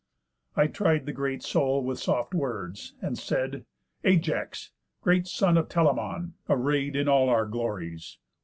I tried the great soul with soft words, and said: 'Ajax! Great son of Telamon, array'd In all our glories!